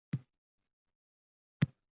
Kechgan umrim xuddi xira bir sarob.